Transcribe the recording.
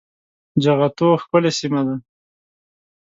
جغتو ښکلې سيمه ده